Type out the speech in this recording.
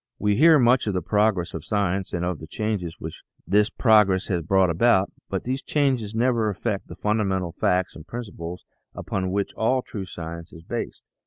We hear much of the progress of science and of the changes which this progress has brought about, but these changes never affect the funda mental facts and principles upon which all true science is based.